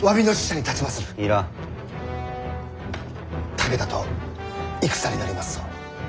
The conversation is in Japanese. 武田と戦になりますぞ。